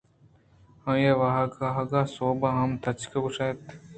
آئی ءِ واہگ ءُآہگ ءِ سوب ہم تچک ءَگوٛشتگ اَت